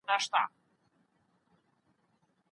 ټولنیزه سوکالي یوازې په پیسو نه ترلاسه کیږي.